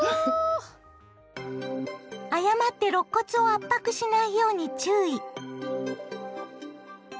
誤ってろっ骨を圧迫しないように注意！